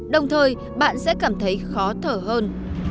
đồng thời bạn sẽ cảm thấy khó thở hơn